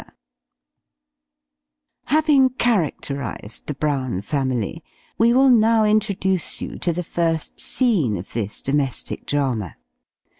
Having characterised the Brown family, we will now introduce you to the first scene of this domestic drama.